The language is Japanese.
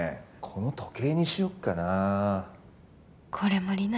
この時計にしよっかな。